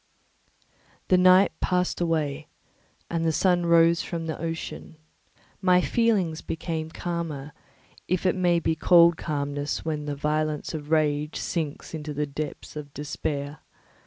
The night passed away, and the sun rose from the ocean; my feelings became calmer, if it may be called calmness when the violence of rage sinks into the depths of despair.